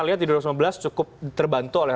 lihat di dua ribu sembilan belas cukup terbantu oleh